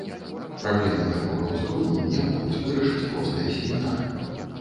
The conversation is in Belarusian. Праблемы такога ўзроўню не могуць вырашыць простыя семінары.